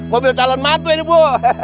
mobil calon matu ini bu